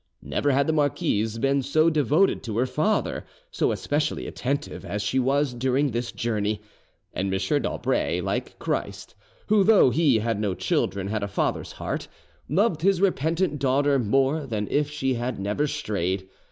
Never had the marquise been so devoted to her father, so especially attentive, as she was during this journey. And M. d'Aubray, like Christ—who though He had no children had a father's heart—loved his repentant daughter more than if she had never strayed.